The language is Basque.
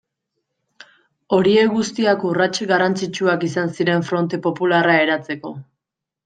Horiek guztiak urrats garrantzitsuak izan ziren Fronte Popularra eratzeko.